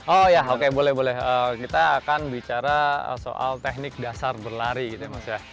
oh ya oke boleh boleh kita akan bicara soal teknik dasar berlari gitu ya mas ya